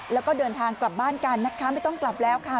แล้วก็เดินทางกลับบ้านกันนะคะไม่ต้องกลับแล้วค่ะ